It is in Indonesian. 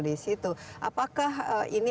di situ apakah ini